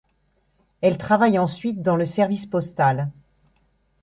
Elle travaille ensuite dans le service postal.